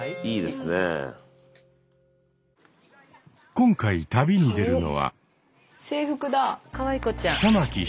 今回旅に出るのは。